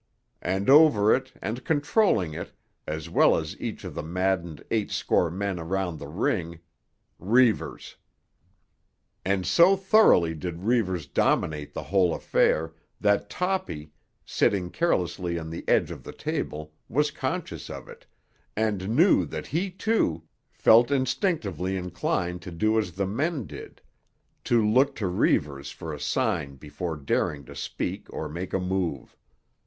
And over it, and controlling it, as well as each of the maddened eight score men around the ring—Reivers. And so thoroughly did Reivers dominate the whole affair that Toppy, sitting carelessly on the edge of the table, was conscious of it, and knew that he, too, felt instinctively inclined to do as the men did—to look to Reivers for a sign before daring to speak or make a move.